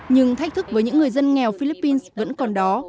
nhưng thách thức với những người dân nghèo philippines vẫn còn đó